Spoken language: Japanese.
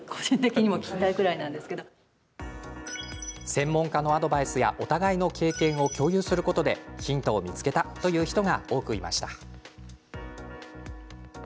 専門家のアドバイスやお互いの経験を共有することでヒントを見つけたという人が多くいました。